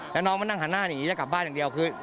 แล้วน้องมานั่งหันหน้าหนีจะกลับบ้านอย่างเดียวคือ